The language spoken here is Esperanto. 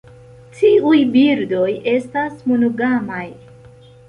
Tiuj birdoj estas monogamaj.